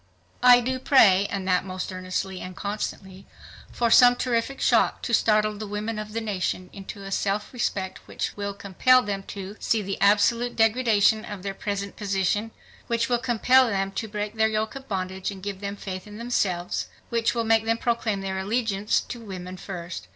"I do pray, and that most earnestly and constantly, for some terrific shock to startle the women o f the nation into a self respect which mill compel them to, see the absolute degradation o f their present position; which will compel them to break their yoke of bondage and give them faith in themselves; which will make them proclaim their allegiance to women first